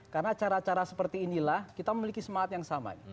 karena cara cara seperti inilah kita memiliki semangat yang sama